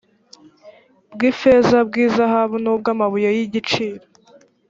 bw ifeza n ubw izahabu n ubw amabuye y igiciro